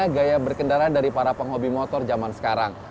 sekarang sudah mulai menjadi kendaraan dari para penghobi motor jaman sekarang